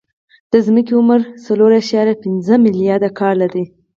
د ځمکې عمر څلور اعشاریه پنځه ملیارده کاله دی.